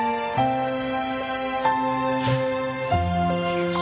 よし。